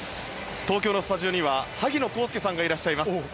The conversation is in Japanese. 東京のスタジオには萩野公介さんがいらっしゃいます。